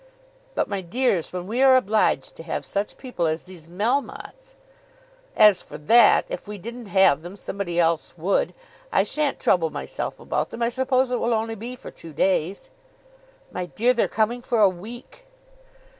"But, my dears when we are obliged to have such people as these Melmottes!" "As for that, if we didn't have them somebody else would. I shan't trouble myself about them. I suppose it will only be for two days." "My dear, they're coming for a week!"